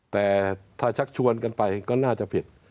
แต่ถ้าชักชวนกันไปก็น่าจะผิด